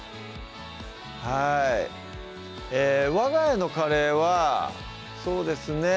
はいわが家のカレーはそうですね